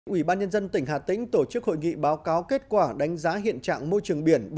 ủy ban nhân dân tỉnh hà tĩnh tổ chức hội nghị báo cáo kết quả đánh giá hiện trạng môi trường biển